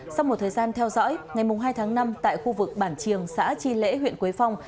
sau một thời gian theo dõi ngày hai tháng năm tại khu vực bản triềng xã chi lễ huyện quế phong